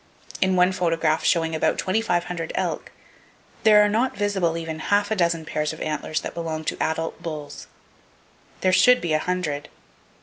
In one photograph showing about twenty five hundred elk, there are not visible even half a dozen pairs of antlers that belong to adult bulls. There should be a hundred!